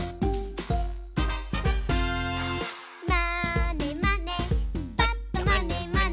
「まーねまねぱっとまねまね」